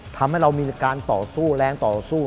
ทำให้เรามีการต่อสู้แรงต่อสู้